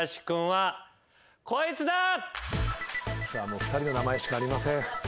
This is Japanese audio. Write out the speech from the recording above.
もう２人の名前しかありません。